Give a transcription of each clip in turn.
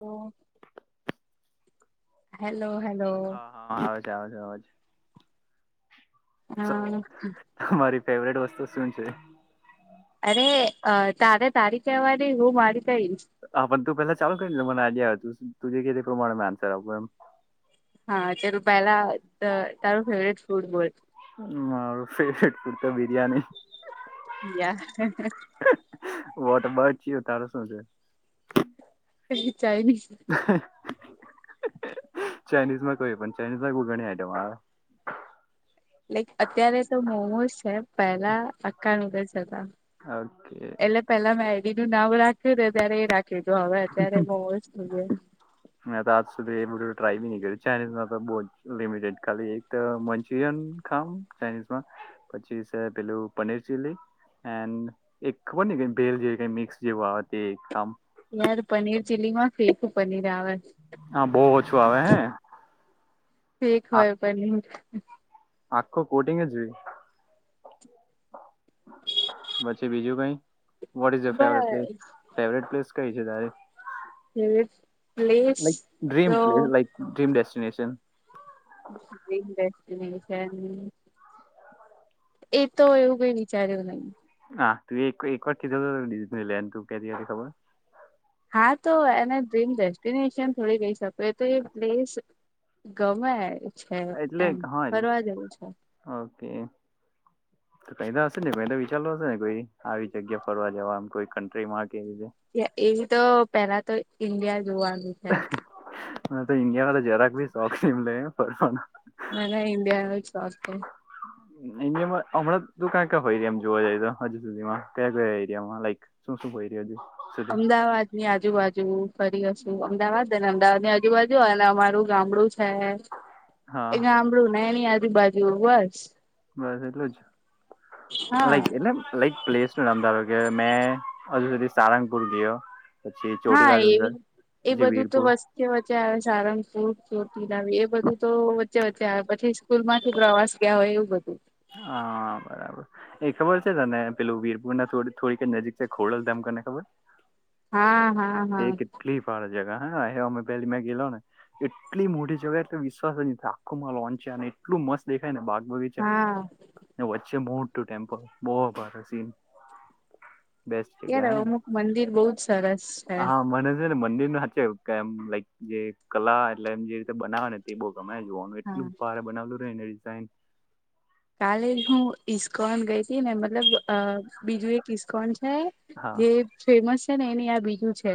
હા hello hello. જવો જવો સૌ હા તમારી ફેવરેટ વસ્તુ શું છે? અરે અ તારે તારી કેહેવાની હું મારી કહીશ હા પણ તું પેલા ચાલુ કરી લે મને આઈડિયા આવે તું જે કે તે પ્રમાણેમાં આન્સર આપું એમ. હા ચલ તું પહેલા તા તારો ફેવરેટ તું જ બોલ. મારું ફેવરેટ તો બિરિયાણી. યા હ્ હ્. [unintelligible] વા તો બાજ યુ તારો શું છે? ચાઇનીઝ [unintelligible] ચાઇનીઝ માં કઈ? પણ ચાઇનીઝમાં કોઈ ઘણી આઈટમ આવે. લાઈક અત્યારે તો મોમોઝ છે પેલા આકાનગ જ હતા. ઓકે એટલે પેલા મેડી નું નામ રાખ્યું ત્યારે એ રાખ [unintelligible] મે તો આજ સુધી એ બધુ ટ્રાય બી નહી કરી. ચાઇનીઝમાં તો બહુ જ લિમિટેડ ખાલી એક તો મંચુરિયન ખામ ચાઇનીઝમાં પછી છે પેલું પનીર ચીલી એન એક ખબર નઈ કઈ ભેળ જે કઈ મિક્સ જેવું તે ખામ. યાર પનીર ચીલી માં ફી પનીર આવે હા બહુ ઓછું આવે હે ઠીક હોય પનીર. આખો કોટિંગ જ એવી રીતના. પછી બીજું કઈ? વોટ ઈજા અ ફેવરે બસ પ્લેસ કઈ છે તારે? ફેવરેટ પ્લેસ લક ડ્રીમ તો place like dream destination. [unintelligible] Destination. એ તો એવું કઈ વિચાર્યું નહી? હા તુ એ કઈ એક વાર કીધ લો [unintelligible] કેતી હતી ખબર. હા તો એને ડ્રીમ ડેસ્ટિનેશન થોડી કેય શકો એતો એ પ્લેસ ગમે છે, એટલે એમ હા ફરવા જેવું છે. ઓકે તો કઈ તો હશે ને કઈ તો વિચારલુ હશે ને કોઈ આવી જગ્યા ફરવા જવા કોઈ કન્ટ્રીમાં કે રીતે એ એવી તો પેલા તો ઇન્ડિયા જોવાનું છે. મને તો ઇન્ડિયા માં તો જરાક ભી શોખ નિમલે ફરવાનો મે ના ઇડિયાનો જ શોખ છે. ઇનડીયામાં અમણાં તુ કા કા ફયરી એમ જોવા જઈ તો હજુ સુધીમાં કયા- કયા એરિયામાં લાઈક શું શુ ફયરી હજુ સુધી અમદાવાદની આજુબા હજુ ફરી હશું અમદાવાદને અમદાવાદની આજુબાજુ અને અમારું ગામડું હે‌ હે હા એ ગામડું ને એની આજુબાજુ બસ બસ એટલું જ હા લાઇક એટલે લાઈક પ્લેસ નું નામ ધારો કે મેં હજુ સુધી સારંગપુર ગીય હા ચોટીલા એવી ડુંગર. એ બધું તો વીરપુર વચ્ચે વચ્ચે આવે સારંગપુર, ચોટીલાના એ બધું તો વચ્ચે વચ્ચે આવે પછી સ્કૂલમાંથી પ્રવાસ ગયા હોય એવું બધું. હા બરાબર એ ખબર છે તને પેલું વીરપુરના થો થોડી કઈ નજીક છે ખોડલધામ તને ખબર. હા. હા હા તે કેટલી ફળ જગ હા હમે પહેલી મે ગેલો ને એટલી મોટી જગા એટલે વિશ્વાસ જ આખું માં લોન્ચ છાંય ને એટલું મસ્ત દેખાય ને બાગ બગિચ હા ને વચ્ચે મોટું ટેમ્પલ બો ભારે સીન. બેસ્ટ યાર જગ્યા હે અમુક મંદિર બહુ જ સરસ છે હા મને છે ને મંદિર ન નાચમ લાઈક જે કલા એટલે એમ જે રીતે બનાવે ને તે બો તમે જોવાનું હા એટલું ભારે બનાવલું રહેેને ડિઝાઇન કાલે હું ઈસ્કોન ગઈતી ને મતલબ અ બીજું એક ઈસ્કોન હા જે ફેમસ છે, ને એની આ બીજું છે.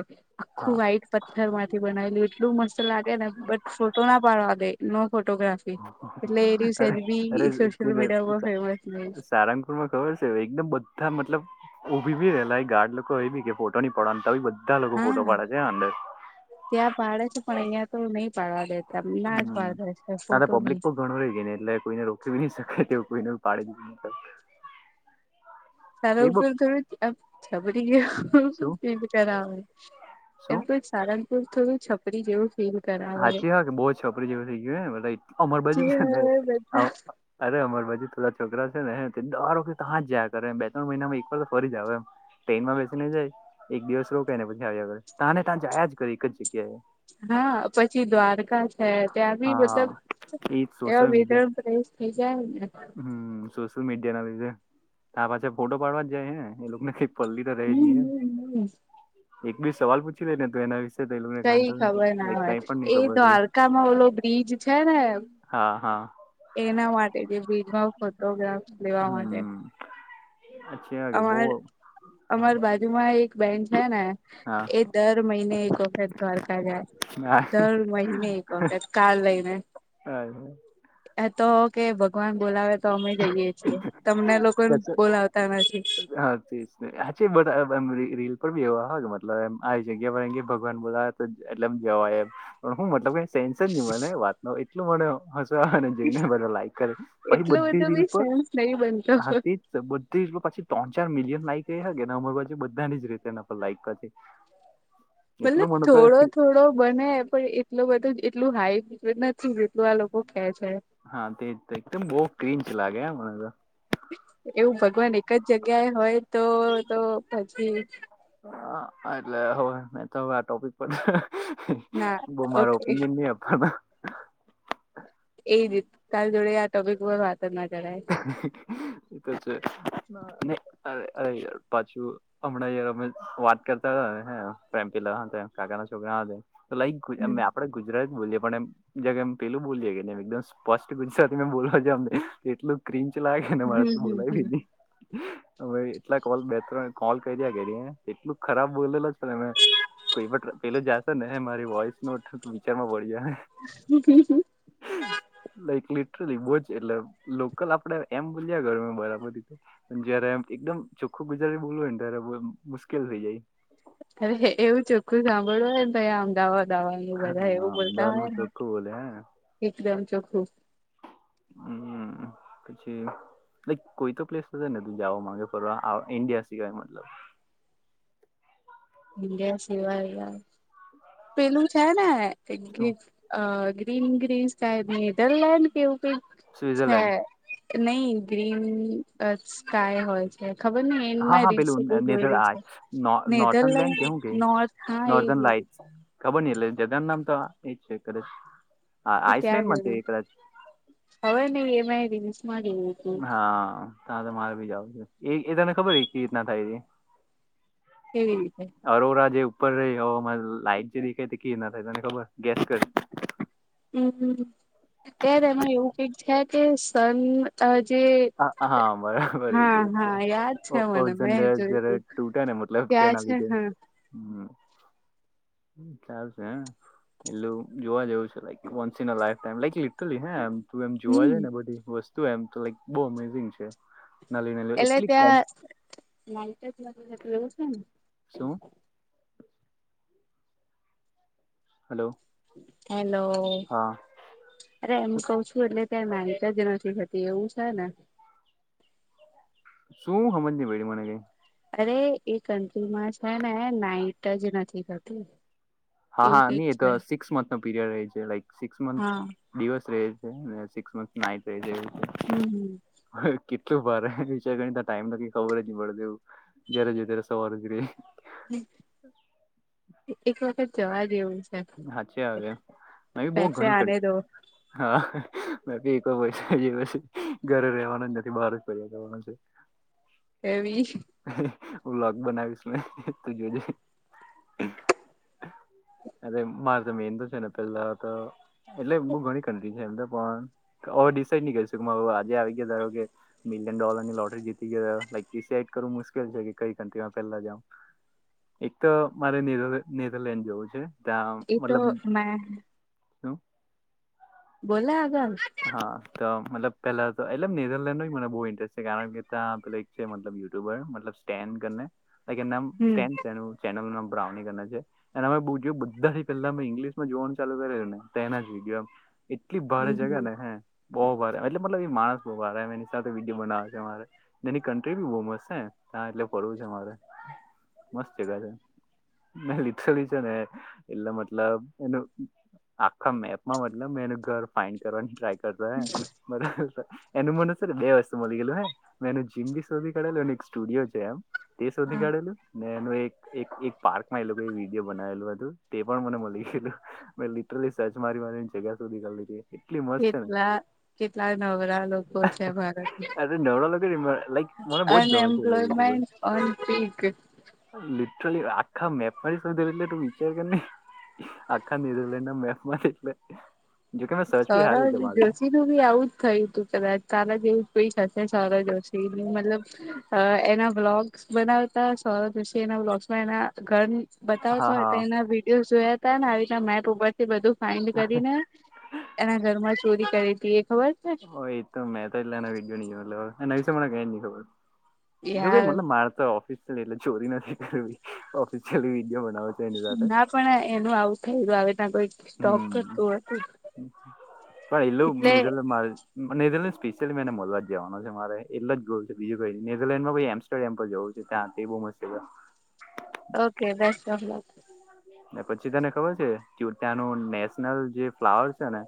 હા આખું વાઈટ પથ્થરમાંથી બનાવેલું એટલું મસ્ત લાગે ને બટ ફોટો ના પાડવા દે નો ફોટોગ્રાફી એટલે એ દિવસે અરે જ બી મીડિયા પર ફેમસ નહી [unintelligible] સારંગપુરમાં ખબર છે, એકદમ બધા મતલબ ઊભી ભી રેલા ગાર્ડ લોકો ઓય બી કે ફોટો ની [unintelligible] તો બી બ હા ત્યાં પાડે છે, પણ અહિયાં તો નહી પાડવા દે હમ્મ તાત પબ્લિક પણ ઘણું હોય કે ની એટલે કોઈને રોકવી ની શકે તેવું કોઈને પાડેબી [inaudible] તારા ઉપર થોડું છપરી જેવુ શું ફીલ કરાવે શું એમ કોઈ સારંગપુરમાં થોડું છપરી જેવું ફીલ કરાવે હાચુ હકે બો છપરી જેવું થઈ ગયુ બધા અમાર જે બાજુ છે, ને હવે બધા અ અરે અમાર બા જુ થોડા છોકરા છે, ને હે તે દર વખતે તા જ જાયા કરે બે ત્રણ મહિનામાં એક વાર તો ફરી જ આવે એમ ટ્રેન માં બેસીને જાય એક દિવસ રોકાઇને પછી આવ્યા કરે તાને તા જાયા જ કરે એક જ જગ્યાએ હા પછી દ્વારકા હે ત્યાં બી હા મતલબ એજ સોશિયલ એવા બે મીડિયા તણ પ્રેવેશ થઈ જાય ને મીડિયાના લીધે તા પાછા ફોટો પાડવા જાય હે એ લોકને પલ્લી ત રેજ નહી હમ હે હમ એક બી સવાલ પૂછી લે ને ત એના વિ કઈ ખબર ના [unintelligible] હોય કઈ પણ ની એ ખબર રેય દ્વારકામાં ઓલો બ્રિજ છે, ને હા હા એના માટે જે બ્રિ ભાવ ફોટોગ્રાફ લેવા માટે હમ અચ્છા કે બહુ અમાર હા અમાર બાજુમાં એ બેન છે, ને હા એ દર મહિને એક વખત દ્વારકા જાય. હા દર મહિને એક વખત કાર લઈને તો કે ભગવાન બોલાવે તો અમે જઈએ છીએ તમને લોકો બોલાવતા ન હા તેજને હાચે બધા એમ એમ રી રીલ પર ભી એવા હકે મતલબ એમ આવી જગ્યા પર એમ કેય ભગવાન તે એટલે જવાય એમ પણ હું મતલબ સેન્સ જ ની હોય એ વાત ની એટલું મને હસવું આવે ને જેઇને બધા લાઈક કરે પછી બ એટલું બધું બી [unintelligible] સેન્સ નહી ત્રણ બનતો ચાર મિલિયન લાઈક એ [unintelligible] બધાની જ રીતે લાઇક મતલબ થોડો થોડો બને પણ એટલું બધો એટલું હાઈ ને હા તે એકદમ બો કિંચ લાગે હ મને તો એવું ભગવાન એક જ જગ્યાએ હોય તો તો પછી હા એટલે હોવે મે તો આ ટોપિક પર ના મારો ઓકે ઓપિનિયન ની આપ એ જ તતારી જોડે ટોપિક હો વાત જ ના કરાય એતો છે અરે અરેયાર પાછું હમણાં અમે વાત કરતા હતા પ્રેમ પીલા હાથે કાકા છોકરા હાતે તો લાઈક હમ આપડે ગુજરા બોલીએ પણ એમ જક એમ પેલું બોલીએ કે એકદમ સ્પષ્ટ ગુજરાતીમે બોલવા જામ ને એટલું ક્રિંચ લાગેને મારે હમ હમ બોલાય બી હમ ની એટલા કોલ બે ત્રણ કોલ કરીયા કરયે એટલું ખરાબ બોલેલ છે, ને મે કોઈ પણ પેલો જાશે ને હે મારી વોઈસ નોટ વિચારમાં પડી જાહે લાઈક લિટરલી બોજ એટલે લોકલ આપડે એમ બોલ્યા કરુ બરાબર રીતે જયારે એકદમ ચોખ્ખું ગુજરાતી બોલવું હોય ને ત્યારે મુશ્કેલ થઇ જાય અરે એવું ચોખ્ખું સાંભળું હોય તે અમદાવાદ દવાનું બધા હા એવું બોલતા હોય અમદાવાદમાં ને ચોખ્ખું બોલે હે એકદમ ચોખ્ખું [inaudible] હમ પછી કોઈ તો કલીપ હશે ને તું જાવા માંગેફરવા આ ઈન્ડિયા સિવાય મતલબ [inaudible] ઇન્ડિયા સિવાય પેલું છે ને શું અ [unintelligible] સ્વિઝરલેન્ડ નઈ ગ્રીન સ્કાય હોય છે ખબર હા એમાં હા રીલ્સો પેલું બહ નેધર જોય આ છે ને નોર્થન લેન્ડ કે નોર્થ હા એ કબર ની એટલે જગનું નામ તો એજ છે કદાચ હા એ ત્યાં આઈસલેન્ડમાં જવું એકદાચ હવે નહી એ મેં રીલ્સમાં જોયું હતું હા તા મારે ભી જાાવ છો એ એ તમને ખબર હો કે રીતના થાય તે કેવી રીતે અરોરા જેવ ઉપર રહી લાઈટ જે દેખાય કે ના થાય તને ખબર ગેસ કરી હમ ત્યારે એનું એવું કઈ છે કે સન જે હા હા, બરાબર એ જ હા છે હા યાદ છે મને ઓઝન મેં લેયર જોય જયારે તું તૂટે ને મતલબ ક્યાં તેના છે લીધે હા હમ [inaudible] ચાલ છે હે એટલું જોવા જવું છે [unintelligible] તું એમ જોવા હમ જઈ ને બધી વસ્તુ એમ તો બો અમેઝિંગ છે નલી નલી એટલે એટલી કોમ્પ ત્યાર એવું છે ને શું હલો હેલો હા અરે એમ શું કઉ છું એટલે ક માન જ નથી થતી એવું છે ને શું સમજ ન બેડી મને કઈ અરે એ કન્ટ્રીમાં છે ને નાઈટ જ નથી કરતી હા હા નહી એ તો સિક્સ મંથ નો પીરિયડ રહે છે લક સિક્સ મંથ હા દિવસ રહે હેક્સ મથ નાટ ર હમ હમ શું ભારે વિચાર ગણી ટાઈમ ન ખબર જ ન પડેવું જયારે જોય ત્યારે સવાર ઉ ર એક વખત જવા દવું સાચ આવે નવી બહ પૈસે ઘણી કર આને દો હા મે ઘરે રવાનાજ નથી બહાર જ ફરવા જવાનું છે એવી હું બલોગ બનાવીશ મે તો જોજે અરે મારે તો મેન તો છે ને પેલા તો એટલે બઉ ઘણી કંન્ટ્રી છે એમ તો પણ [unintelligible] હવે ડિસાઈડ નની કરી શક આજે આવી ગયા ધારો કે મિલિયન ડોલર ની લોટરી જીતી ગયો [unintelligible] કરવું મુશ્કેલ છે કે કઈ કન્ટ્રીમાં પહેલા જાવ એક તો મારે નેદર નેધરલેન્ડ જવું છે ત્યાં એ તો મતલબ મે હ બોલા આગળ હા તો મતલબ પેલા તો એટલેમ નેધરલેન્ડ જ મને બહુ ઇન્ટરેસ્ટ છે કારણ કે ત્યાં છે એક છે મતલબ યુટ્યુબર મતલબ સ્ટેડ હમ [unintelligible] [unintelligible] એના બોઉ જો બધાથી પેલા મે ઇંગ્લિશમાં જોવાનું ચાલુ કરેલું ને તે એનાજ વિડિઓ એટલી ભારે જગા હમ ને હે બહુ ભારે એટલે મતલબ એ માણસ બહુ ભારે એની સાથે વિડીયો બનાવે છે અરે એની કન્ટ્રી બી બહુ મસ્ત છે હા એટલે ફરવું છે મારે મસ્ત જગ્યા છે ના લીલી છે ને એટલે મતલબ એનું આખા મેપમાં મતલબ મે એનું ઘર ફાઈનડ કરવાની ટ્રાય કરતો હે મતલબ એનું મને છે બે વસ્તુ મળી ગયલું હે મેં એનું જીમ બી શોધી કરાેલું અને એક સ્ટુડિયો છે એમ તે સૌઘી હમ કાઢેલું એનુ એક એક એક પાર્કમાં એ લોકોએ વિડીયો બનાવેલું હતું તે પણ મને મળી ગયેલું મે લીટર્રલી સર્ચ મારી અને એ જગ્યા સુધી કરી લે કેટલા કેટલા નવરા લોકો છે ભારતમાં અરે નવરા લોકો લાઈક મને બહુ જ ગમે છે એટલો unemployment YouTuber on peak literally આખા માપમાં થી શોઘી એટલે તુ વિચાર કરને આખા ન્યુઝીલેન્ડ ના મેપમાં એટલે જોકે મેં સર્ચ બી હારી સૌરવ રીતે મારેલી જોશીનું બી આવુંજ થયું હતું કદાચ તારા જેવું પૈસા થશે સૌરભ જોશી મતલબ એના વ્લોગસ બનાવતા સૌરભ જોશી એના એના ઘર હા બતાવતા હો હા તો એના વિડીયોસ જોયા તા ને આવી રીતે મેપ ઉપર થી બધું ફાઇન્ડ કરીને એના ઘરમાં ચોરી કરે હતી એક હો એ તો મેં તો એટલેના વિડીયો ન જોયા એના વિશે મને કઈ નહી ખબર છે જો કઈ યાર મતલ માર તો ઓફિસલી એટલે ચોરી નથી કરવી ઓફિસલી વિડીયો બનાવુ ના પણ એનું આવું થયયું આવે ત્યાં કોઈ સ્ટોક હમ કરતું હતું પણ એલું એટલે મઝ મા નેધરલેન્ડ સ્પેશિયલી મેં એને મળવા જવાનો છે મારે એટલેજ જોવું છે બીજું કઈ નેધરલેન્ડમાં કોઈ એમસ્ટર્ડેમ પર જવું છે હા તે બહુ મસ્ત છે ઓકે શુભેચ્છા ને પછી તને ખબર છે કે ત્યાનું નેશનલ જે ફ્લાવર છે ને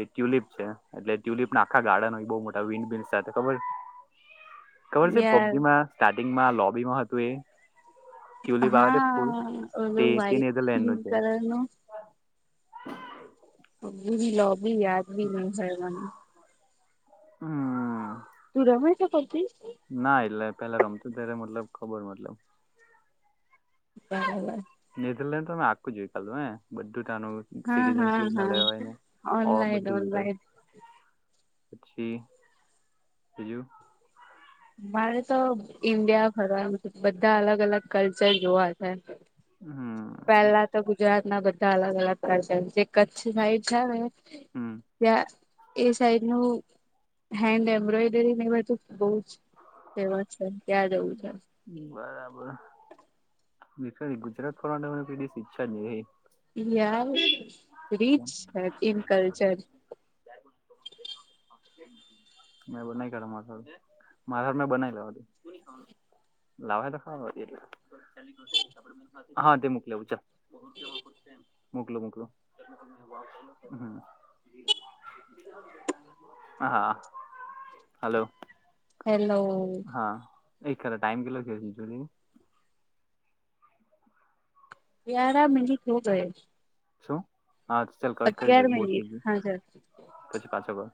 એ ટ્યુલિપ છે એટલે ટ્યુલિપ ના આખા ગાર્ડન બહુ મોટા વિન્ડ મિલ સાથે ખબર હ ખબર છે પબજીમાં સ્ટાર્ટિંગમાં લોબીમાં હતું એ ટ્યુલિપ આવે તે ફૂલ હા તે ઓલું તે વ્હાઈટ નેધરલેન્ડ પિંક નું છે. કલર નું [unintelligible] લોબી યાદ બી નહી હ મને હમ તુ રમેં છે પબ ના એટલે પેલા રમતો ત્યારે મતલબ ખબર મતલબ [unintelligible] ઈધરલેન્ડ તો મે આખું જોઈ બધું હા હા હા ઓનલાઈન ઓનલાઈન [unintelligible] [inaudible] પછી બીજું. મારે તો ઈન્ડિયા ફરવા બધા અલગ અલગ કલ્ચર જોવા છે. હમ પેલા તો ગુજરાત ના બધા અલગ અલગ પ્રદેશ જે કચ્છ સાઈડ છે ને હમ ત્યાં એ સાઈડ નું હેન્ડ એમ્બ્રોઈડરી ને બધું બહું જ ફેમસ છે. ત્યાં જવું છે બરાબર. ગુજરાત ફરવા માટે કદી ઈચ્છા નહી થતી. ત્યાં રીચ હે ઇન કલ્ચર મે બનાવી કઢ માર મારા મેં બનાવી લેવા તું લાવય તો ખાવાનું એટલે હા તે મુકયુ ચાલ મોકલુ મોકલુ. [inaudible] હા હલો. હેલો. હા એક ખરા ટાઈમ કેટલો થયો છે જોજે ગ્યારા મિનિટ હો ગયો. શું હા ચાલ કટ કરી દે બઉ થઈ મિનિટ ગયું હા જ પછી પાછો કર.